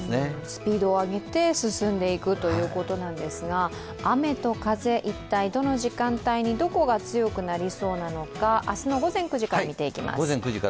スピードを上げて進んでいくということなんですが、雨と風、一体どの時間帯にどこが強くなりそうなのか明日の午前９時から見ていきます。